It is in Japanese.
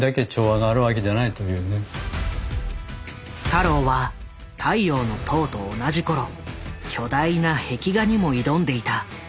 太郎は「太陽の塔」と同じ頃巨大な壁画にも挑んでいた。